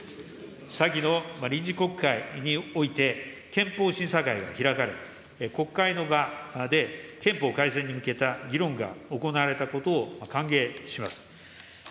先の臨時国会において憲法審査会がひらかれ、国会の場で憲法改正に向けた議論が行われたことを歓迎します。